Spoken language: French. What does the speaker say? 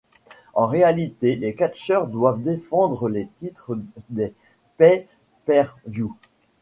En réalité, les catcheurs doivent défendre les titres des pay-per-view.